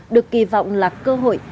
được kỳ vọng là cơ hội